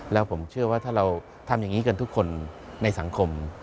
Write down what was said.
แล้วผมเชื่อว่าถ้าเราทำอย่างนี้กันทุกคนในสังคม